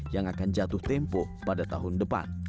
yang akan jatuh tempo pada tahun depan